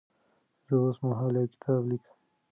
زه اوس مهال یو کتاب لیکم.